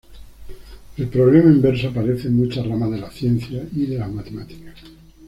El problema inverso aparece en muchas ramas de la ciencia y de las matemáticas.